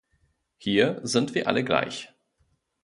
Hier sind wir alle gleich.